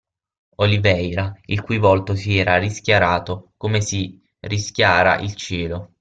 Oliveira, il cui volto si era rischiarato, come si rischiara il cielo.